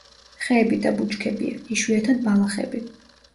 ხეები და ბუჩქებია, იშვიათად ბალახები.